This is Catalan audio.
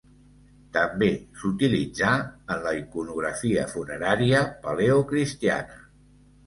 També s'utilitzà en la iconografia funerària paleocristiana.